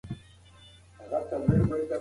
که ښه ښوونه ترسره سي، نو به زده کونکي بريالي سي.